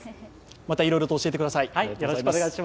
また、いろいろと教えてください